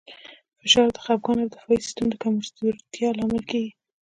فشار د خپګان او د دفاعي سیستم د کمزورتیا لامل کېږي.